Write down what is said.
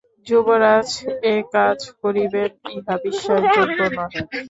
যুবরাজ একাজ করিবেন ইহা বিশ্বাসযােগ্য নহে।